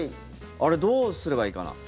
あれ、どうすればいいかな。